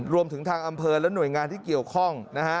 รวมถึงทางอำเภอและหน่วยงานที่เกี่ยวข้องนะฮะ